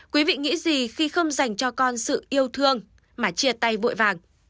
quý vị nghĩ gì khi không dành cho con sự yêu thương mà chia tay vội vàng